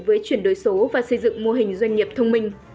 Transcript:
với chuyển đổi số và xây dựng mô hình doanh nghiệp thông minh